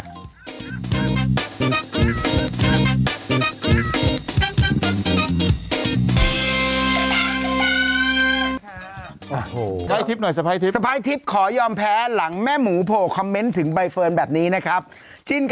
ด้วยทิปหน่อยสบายทิปสบายทิปขอยอมแพ้หลังแม่หมูโผล่คอมเมนต์ถึงใบ